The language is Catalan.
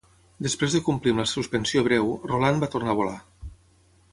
Després de complir amb la suspensió breu, Roland va tornar a volar.